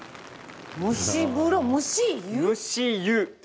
蒸し風呂蒸し湯。